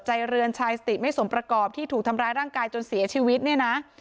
เรือนชายสติไม่สมประกอบที่ถูกทำร้ายร่างกายจนเสียชีวิตเนี่ยนะ